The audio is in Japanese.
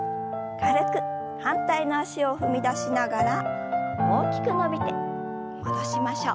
反対の脚を踏み出しながら大きく伸びて戻しましょう。